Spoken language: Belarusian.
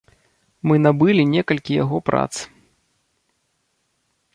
Мы набылі некалькі яго прац.